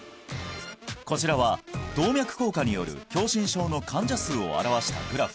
こちらは動脈硬化による狭心症の患者数を表したグラフ